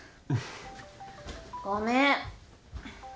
ごめん。